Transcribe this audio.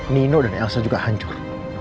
nino dan elsa juga hancur